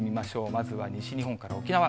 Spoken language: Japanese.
まずは西日本から沖縄。